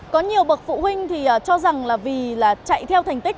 có nhiều bậc phụ huynh thì cho rằng là vì là chạy theo thành tích